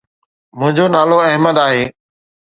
منهنجو نالو احمد آھي.